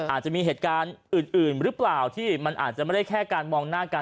อาจจะมีเหตุการณ์อื่นหรือเปล่าที่มันอาจจะไม่ได้แค่การมองหน้ากัน